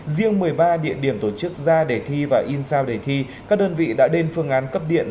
riêng một mươi ba địa điểm tổ chức ra để thi và in sao đề thi các đơn vị đã lên phương án cấp điện